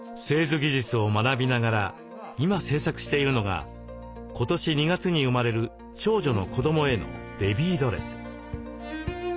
製図技術を学びながら今製作しているのが今年２月に生まれる長女の子どもへのベビードレス。